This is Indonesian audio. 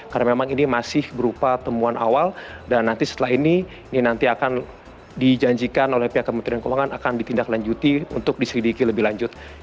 karena memang ini masih berupa temuan awal dan nanti setelah ini ini nanti akan dijanjikan oleh pihak kementerian keuangan akan ditindaklanjuti untuk diseridiki lebih lanjut